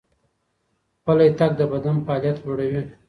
پلی تګ د بدن فعالیت لوړوي.